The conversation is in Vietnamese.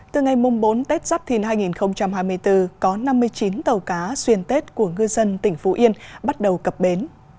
từ ngày bốn tết giáp thìn hai nghìn hai mươi bốn có năm mươi chín tàu cá xuyên tết của ngư dân tỉnh phú yên bắt đầu cập bến